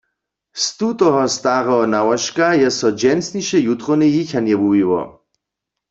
Z tutoho stareho nałožka je so dźensniše jutrowne jěchanje wuwiło.